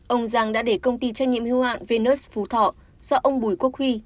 ông giang đã để công ty trách nhiệm hưu hạn vnux phú thọ do ông bùi quốc huy